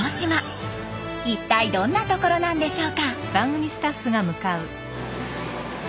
一体どんな所なんでしょうか。